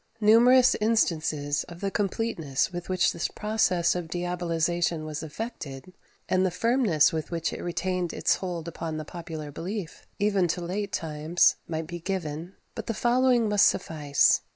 Numerous instances of the completeness with which this process of diabolization was effected, and the firmness with which it retained its hold upon the popular belief, even to late times, might be given; but the following must suffice.